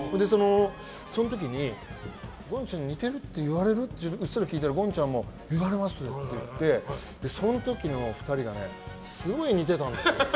その時に、ゴンちゃん似てるって言われる？って聞いたらゴンちゃんも言われますって言ってその時の２人がすごい似てたんです。